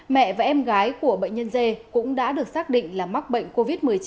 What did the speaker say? mẹ và em gái của bệnh nhân dê cũng đã được xác định là mắc bệnh covid một mươi chín